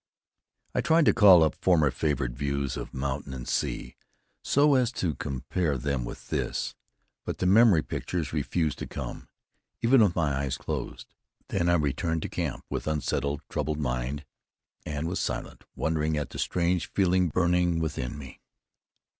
I tried to call up former favorite views of mountain and sea, so as to compare them with this; but the memory pictures refused to come, even with my eyes closed. Then I returned to camp, with unsettled, troubled mind, and was silent, wondering at the strange feeling burning within me.